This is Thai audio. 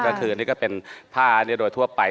ก็คือนี่ก็เป็นผ้าอันนี้โดยทั่วไป